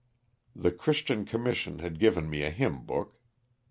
The Chris tian commission had given me a hymn book.